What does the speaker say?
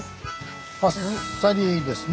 あっさりですね。